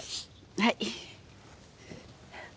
はい。